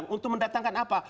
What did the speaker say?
untuk mendatangkan apa